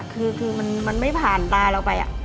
คือมันไม่ผ่านตาเราไป